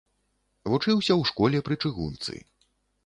Вучыўся ў школе пры чыгунцы.